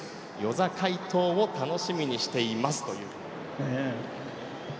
與座快投！を楽しみにしていますという。